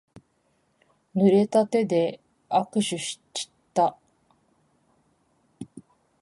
ぬれた手で握手しちった。